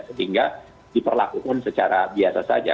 sehingga diperlakukan secara biasa saja